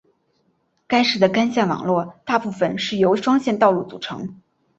该市的干线网络大部分是由双线道路组成。